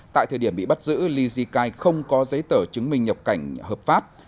tại thời điểm bị bắt giữ lee zikai không có giấy tờ chứng minh nhập cảnh hợp pháp